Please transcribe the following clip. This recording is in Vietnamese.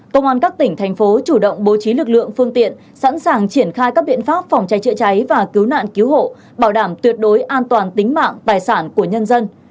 công an các tỉnh thành phố chủ động bố trí lực lượng phương tiện sẵn sàng triển khai các biện pháp phòng cháy chữa cháy và cứu nạn cứu hộ bảo đảm tuyệt đối an toàn tính mạng tài sản của nhân dân